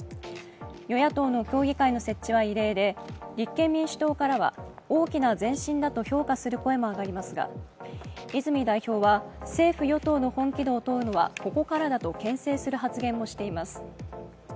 与野党の協議会の設置は異例で立憲民主党からは大きな前進だと評価する声もあがりますが、泉代表は政府・与党の本気度を問うのはここからだとけん制する発言もしています。